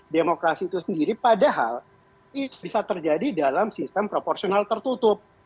demokrasi itu sendiri padahal bisa terjadi dalam sistem proporsional tertutup